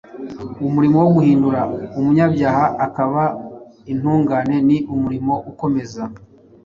Umurimo wo guhindura umunyabyaha akaba intungane ni umurimo ukomeza.